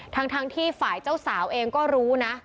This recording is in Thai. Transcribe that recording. ทั้งที่ฝ่ายเจ้าสาวเองก็รู้นะ